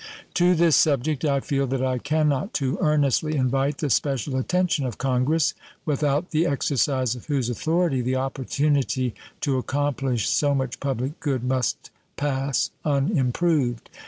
To this subject I feel that I can not too earnestly invite the special attention of Congress, without the exercise of whose authority the opportunity to accomplish so much public good must pass unimproved.